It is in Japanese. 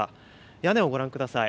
屋根をご覧ください。